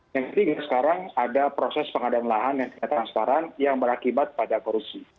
yang ketiga sekarang ada proses pengadaan lahan yang tidak transparan yang berakibat pada korupsi